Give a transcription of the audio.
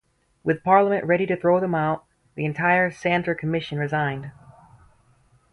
With Parliament ready to throw them out, the entire Santer Commission resigned.